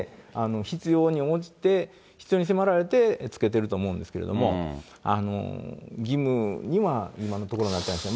必要に応じて、必要に迫られてつけてると思うんですけれども、義務には今のところなってないです。